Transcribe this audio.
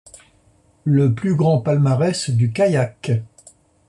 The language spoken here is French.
Le plus grand palmarès du kayak.